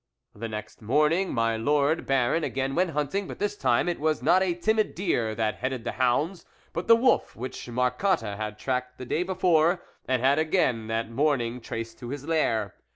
The next morning, my lord Baron again went hunting, but this time it was not a timid deer that headed the hounds, but the wolf which Marcotte had tracked the day before and had again that morn ing traced to his lair.